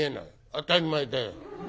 当たり前だよ。